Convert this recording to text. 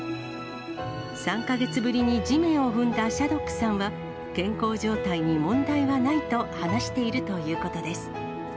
３か月ぶりに地面を踏んだシャドックさんは、健康状態に問題はないと話しているということです。